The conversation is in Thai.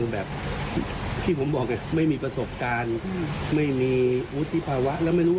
แบบที่ผมบอกว่าไม่มีประสบการณ์ไม่มีอุติภาวะ